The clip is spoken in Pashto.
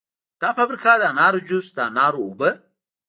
دا فابریکه د انارو جوس، د انارو اوبه